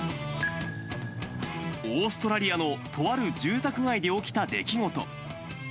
オーストラリアのとある住宅街で起きた出来事。